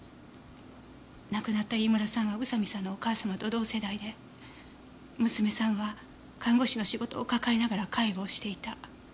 亡くなった飯村さんは宇佐見さんのお母様と同世代で娘さんは看護師の仕事を抱えながら介護をしていた。